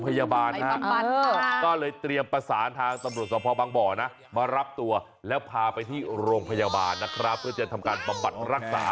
เอ้าเขาบอกว่ามันนุ่มดีอ๋อ